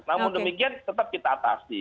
namun demikian tetap kita atasi